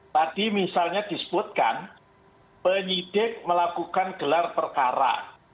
tadi misalnya disebutkan penyidik melakukan gelar perkara